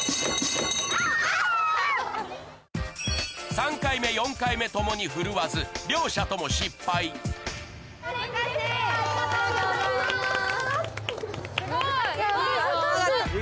３回目４回目ともに振るわず両者とも失敗ありがとうございます！